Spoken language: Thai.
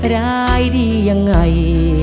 ร้ายดียังไง